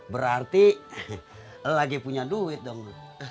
berarti lagi punya duit dong